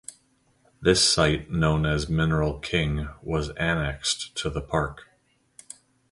This site known as Mineral King was annexed to the park.